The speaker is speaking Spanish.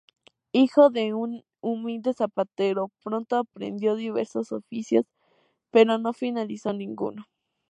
Hijo de un humilde zapatero, pronto aprendió diversos oficios, pero no finalizó ninguno.